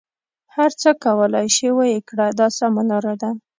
هر څه کولای شې ویې کړه دا سمه لاره ده.